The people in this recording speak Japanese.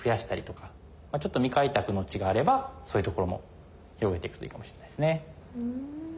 ちょっと未開拓の地があればそういうところも広げていくといいかもしれないですね。